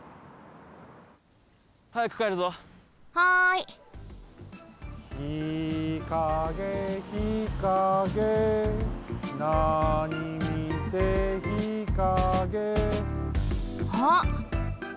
「ひかげひかげなに見てひかげ」あっ！